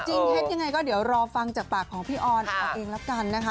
เท็จยังไงก็เดี๋ยวรอฟังจากปากของพี่ออนเอาเองแล้วกันนะคะ